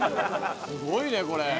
すごいねこれ。